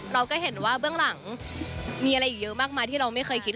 เราก็เห็นว่าเบื้องหลังมีอะไรอีกเยอะมากมายที่เราไม่เคยคิด